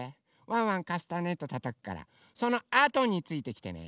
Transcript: ワンワンカスタネットたたくからそのあとについてきてね。